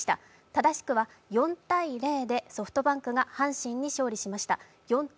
正しくは４−０でソフトバンクが阪神に勝利しました。